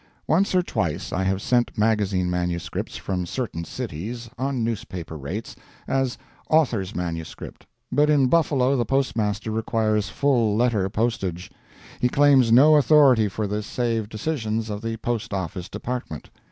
Once or twice I have sent magazine MSS. from certain cities, on newspaper rates, as "author's MS." But in Buffalo the postmaster requires full letter postage. He claims no authority for this save decisions of the Post Office Department.